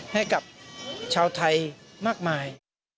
ให้กับชาวไทยมากมาย